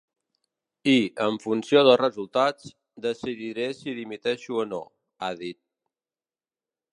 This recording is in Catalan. I, en funció dels resultats, decidiré si dimiteixo o no, ha dit.